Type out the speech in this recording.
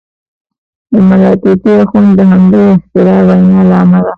د ملا طوطي اخند د همدغې اختراعي وینا له امله.